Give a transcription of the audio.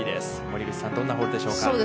森口さん、どんなホールでしょうか。